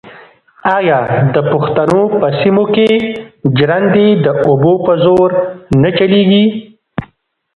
آیا د پښتنو په سیمو کې ژرندې د اوبو په زور نه چلېږي؟